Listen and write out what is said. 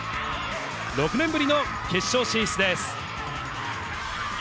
６年ぶりの決勝進出です。